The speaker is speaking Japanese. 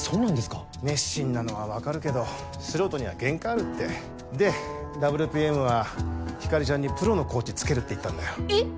熱心なのは分かるけど素人には限界あるってでＷＰＭはひかりちゃんにプロのコーチつけるって言ったんだよえっ！